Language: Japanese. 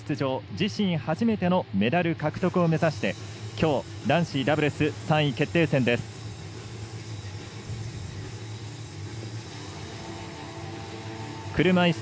自身初めてのメダル獲得を目指して、きょう男子ダブルス３位決定戦です。